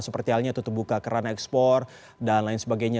seperti halnya tutup buka keran ekspor dan lain sebagainya